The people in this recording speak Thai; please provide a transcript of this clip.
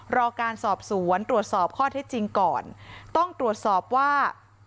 รอการสอบสวนตรวจสอบข้อเท็จจริงก่อนต้องตรวจสอบว่า